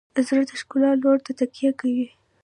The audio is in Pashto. زړه د ښکلا لور ته تکیه کوي.